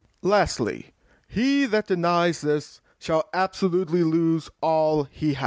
[reads] LASTLY, HE THAT DENIES THIS, SHALL ABSOLUTELY LOSE ALL HE HAS.